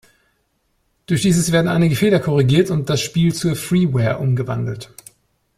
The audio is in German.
Durch dieses werden einige Fehler korrigiert und das Spiel zur Freeware umgewandelt.